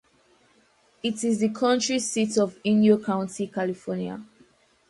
It is the county seat of Inyo County, California.